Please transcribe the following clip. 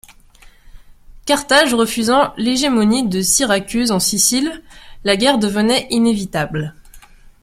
Carthage refusant l'hégémonie de Syracuse en Sicile, la guerre devenait inévitable.